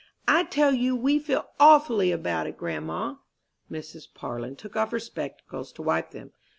"I tell you we feel awfully about it, grandma!" Mrs. Parlin took off her spectacles to wipe them.